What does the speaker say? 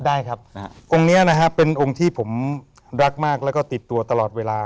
ได้ครับนะฮะองค์เนี้ยนะฮะเป็นองค์ที่ผมรักมากแล้วก็ติดตัวตลอดเวลา